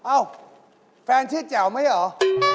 อ้าวแฟนชื่อแจ๋วไหมเหรอ